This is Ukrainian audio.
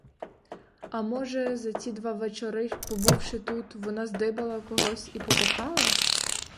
А може, за ці два вечори, побувши тут, вона здибала когось і покохала?